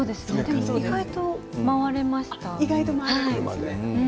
意外と回れました。